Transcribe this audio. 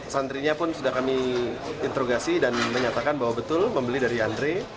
santrinya pun sudah kami interogasi dan menyatakan bahwa betul membeli dari andre